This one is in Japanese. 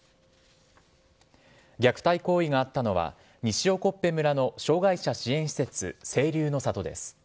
虐待行為があったのは、西興部村の障害者支援施設、清流の里です。